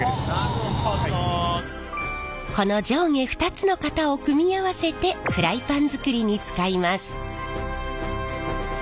この上下２つの型を組み合わせてフライパン作りに使います。